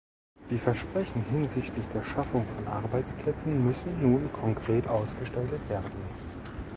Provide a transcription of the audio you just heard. Die Versprechen hinsichtlich der Schaffung von Arbeitsplätzen müssen nun konkret ausgestaltet werden.